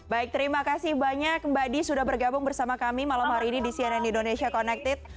baik terima kasih banyak mbak di sudah bergabung bersama kami malam hari ini di cnn indonesia connected